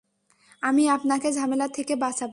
আমি আপনাকে ঝামেলা থেকে বাঁচাবো।